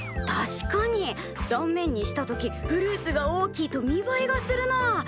確かに断面にした時フルーツが大きいと見栄えがするなあ。